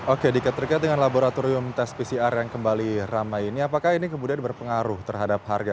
oke terkait dengan laboratorium tes pcr yang kembali ramai ini apakah ini kemudian berpengaruh terhadap harga